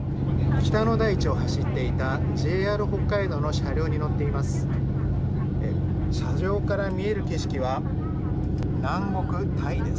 北の大地を走っていたＪＲ北海道の車両に乗っています。